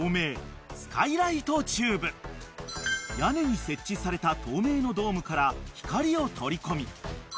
［屋根に設置された透明のドームから光を取り込み